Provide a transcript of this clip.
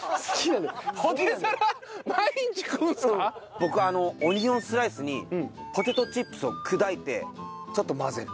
僕オニオンスライスにポテトチップスを砕いてちょっと混ぜる。